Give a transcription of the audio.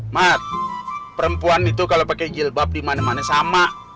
mat perempuan itu kalo pake jilbab dimana mana sama